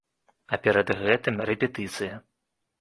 А перад гэтым рэпетыцыя.